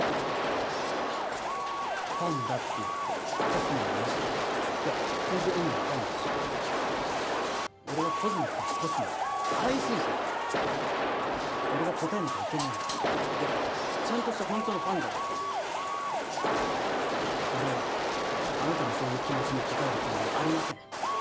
ファンだって言ってコスモはなしとかやっぱ全然意味分かんねぇし俺はＣＯＳＭＩＣのコスモで配信者で俺が応えなきゃいけないのはやっぱちゃんとしたほんとのファンだから俺はあなたのそういう気持ちに応えるつもりはありません